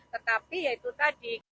tetapi ya itu tadi